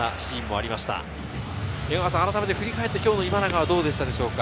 あらためて振り返って、今日の今永はどうでしたか？